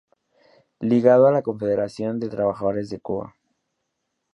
Ligado a la Confederación de Trabajadores de Cuba.